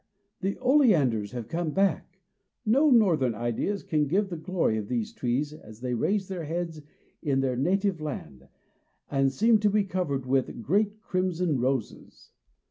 the oleanders have come back!" No Northern ideas can give the glory of these trees as they raise their heads in this their native land, and seem to be covered with great crimson roses.